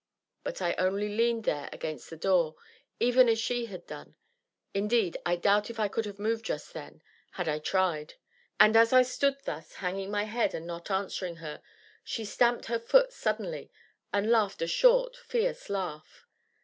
But I only leaned there against the door, even as she had done; indeed, I doubt if I could have moved just then, had I tried. And, as I stood thus, hanging my head, and not answering her, she stamped her foot suddenly, and laughed a short, fierce laugh.